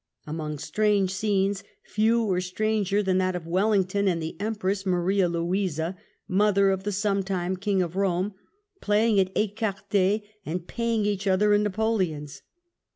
Among strange scenes, few are stranger than that of Wellington and the Empress Maria Louisa, mother of the sometime King of Eome, playing at 4cart4y and paying each other in napoleons.